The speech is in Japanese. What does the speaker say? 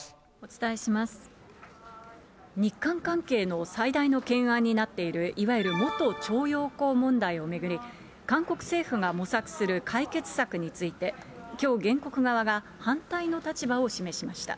日韓関係の最大の懸案になっている、いわゆる元徴用工問題を巡り、韓国政府が模索する解決策について、きょう、原告側が反対の立場を示しました。